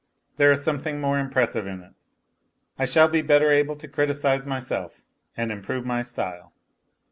There is something more impressive in it ; I shall be better able to criticize myself and improve my style.